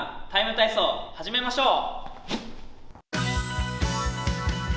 ＴＩＭＥ，体操」を始めましょう。